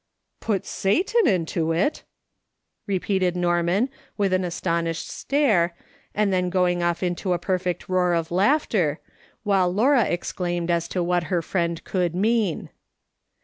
" Put Satan into it !" repeated JSTorman, with an astonished stare, and then going off into a perfect roar of laughter, while Laura exclaimed as to what her friend could mean.